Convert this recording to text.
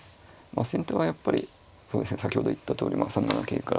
先手はやっぱり先ほど言ったとおり３七桂から。